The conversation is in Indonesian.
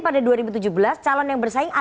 pada dua ribu tujuh belas calon yang bersaing